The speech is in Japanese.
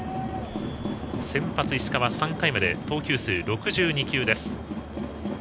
先発、石川３回まで投球数６２球です。